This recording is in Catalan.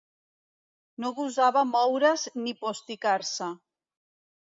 No gosava moure's ni posticar-se.